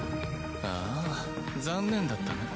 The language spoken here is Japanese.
ああ残念だったな。